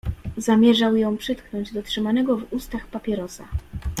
"Zamierzał ją przytknąć do trzymanego w ustach papierosa."